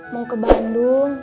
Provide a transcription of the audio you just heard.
mau ke bandung